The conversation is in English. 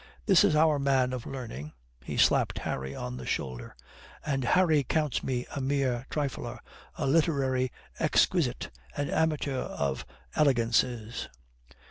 This is our man of learning," he slapped Harry on the shoulder. "And Harry counts me a mere trifler, a literary exquisite, an amateur of elegances."